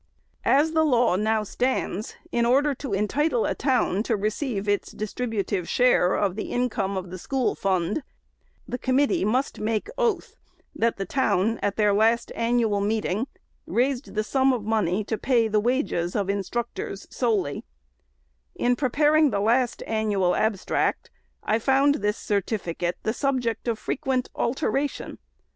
As the law now stands, in order to entitle a town to receive its distributive share of the income of the School 560 THE SECRETARY'S Fund, the committee must make oath, that the town, " at their last annual meeting, raised the sum of dollars, to pay the wages of instructors solely" In preparing the last "Annual Abstract," I found this certificate the sub ject of frequent alteration.